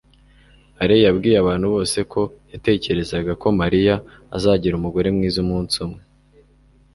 alain yabwiye abantu bose ko yatekerezaga ko mariya azagira umugore mwiza umunsi umwe